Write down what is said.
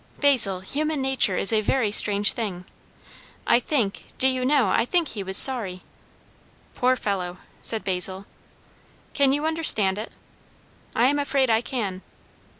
"Basil human nature is a very strange thing! I think, do you know? I think he was sorry." "Poor fellow!" said Basil. "Can you understand it?" "I am afraid I can."